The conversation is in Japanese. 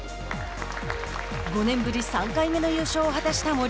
５年ぶり３回目の優勝を果たした森。